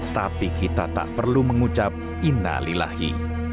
tapi kita tak perlu mengucap inalilahi